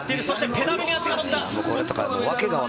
ペダルに足がのった。